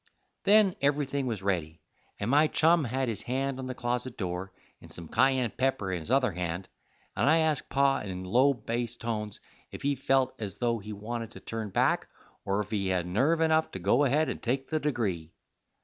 Then everything was ready, and my chum had his hand on the closet door, and some kyan pepper in his other hand, and I asked Pa in low bass tones if he felt as though he wanted to turn back, or if he had nerve enough to go ahead and take the degree.